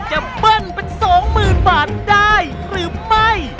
จะเบิ้ลเป็นสองหมื่นบาทได้หรือไม่